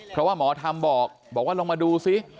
เพราะว่าหมอธรรมบอกบอกว่าลงมาดูซิ